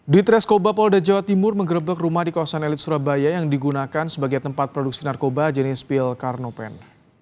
ditreskoba polda jawa timur mengerebek rumah di kawasan elit surabaya yang digunakan sebagai tempat produksi narkoba jenis pil karnopen